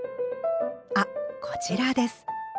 あこちらです。